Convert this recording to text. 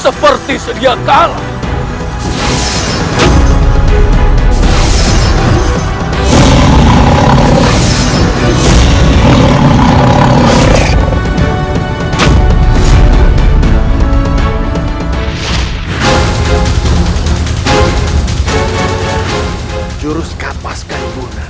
seperti sedia kalah